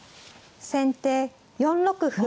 先手４六歩。